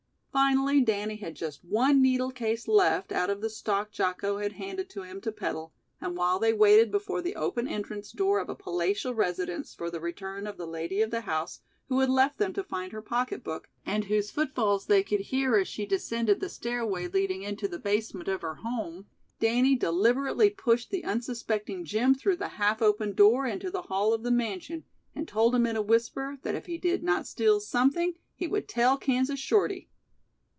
Finally Danny had just one needle case left out of the stock Jocko had handed to him to peddle, and while they waited before the open entrance door of a palatial residence for the return of the lady of the house, who had left them to find her pocketbook, and whose footfalls they could hear as she descended the stairway leading into the basement of her home, Danny deliberately pushed the unsuspecting Jim through the half open door into the hall of the mansion, and told him in a whisper that if he did not steal something he "would tell Kansas Shorty."